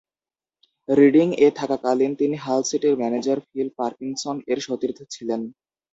রিডিং-এ থাকাকালীন তিনি হাল সিটির ম্যানেজার ফিল পারকিনসন-এর সতীর্থ ছিলেন।